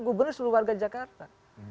gubernur seluruh warga jakarta